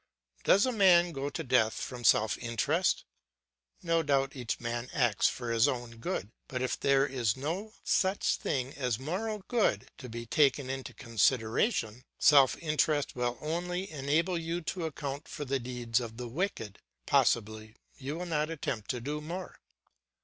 Does a man go to death from self interest? No doubt each man acts for his own good, but if there is no such thing as moral good to be taken into consideration, self interest will only enable you to account for the deeds of the wicked; possibly you will not attempt to do more.